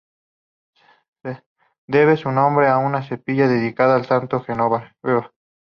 Debe su nombre a una capilla dedicada a Santa Genoveva.